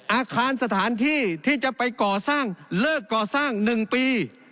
อาคารสถานที่ที่จะไปก่อสร้างเลิกก่อสร้าง๑ปี